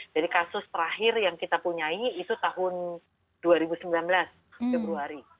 jadi kasus terakhir yang kita punyai itu tahun dua ribu sembilan belas februari